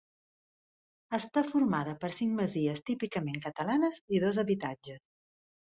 Està formada per cinc masies típicament catalanes i dos habitatges.